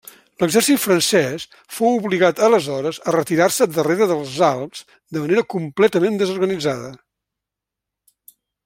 L'exèrcit francès fou obligat aleshores a retirar-se darrere dels Alps de manera completament desorganitzada.